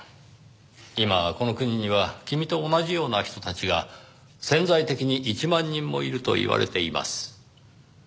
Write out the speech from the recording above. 今この国には君と同じような人たちが潜在的に１万人もいるといわれています。